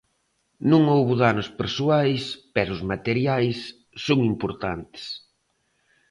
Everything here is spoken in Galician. Non houbo danos persoais, pero os materiais son importantes.